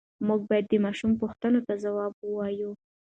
موږ باید د ماشومانو پوښتنو ته ځواب ووایو.